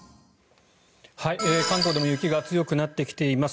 関東でも雪が強くなってきています。